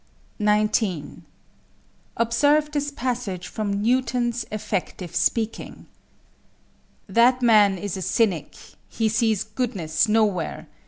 19. Observe this passage from Newton's "Effective Speaking:" "That man is a cynic. He sees goodness nowhere.